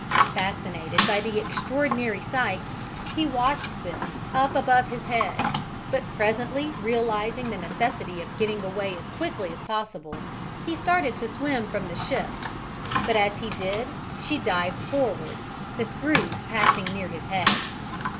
Fascinated by the extraordinary sight, he watched them up above his head, but presently realizing the necessity of getting away as quickly as possible, he started to swim from the ship, but as he did she dived forward, the screws passing near his head.